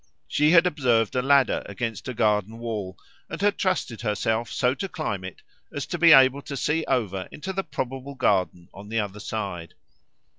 She had observed a ladder against a garden wall and had trusted herself so to climb it as to be able to see over into the probable garden on the other side.